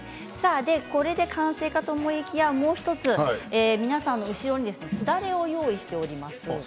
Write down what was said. これで完成かと思いきやもう１つ皆さんの後ろにすだれを用意しております。